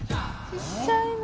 ちっちゃいな。